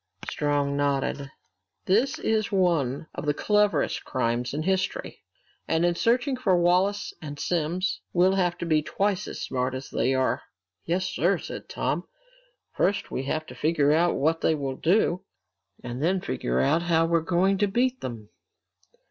Strong nodded. "This is one of the cleverest crimes in history. And in searching for Wallace and Simms, we'll have to be twice as smart as they are!" "Yes, sir," said Tom. "First we have to figure out what they will do, and then figure out how we're going to beat them!"